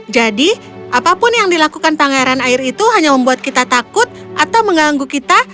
jadi apapun yang dilakukan pangeran air itu hanya membuat kita takut atau mengganggu kita